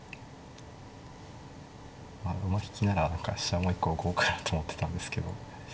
馬引きなら飛車もう一個浮こうかなと思ってたんですけど。